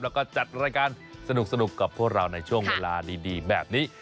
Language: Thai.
แล้วก็จัดรายการสนุกกับพวกเราในช่วงเวลาดีแบบนี้